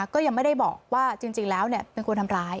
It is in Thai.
ก็ยังไม่ได้บอกว่าจริงแล้วเป็นคนทำร้าย